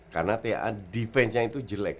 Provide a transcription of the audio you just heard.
karena taa defense nya itu jelek